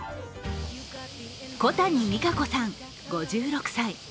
小谷実可子さん、５６歳。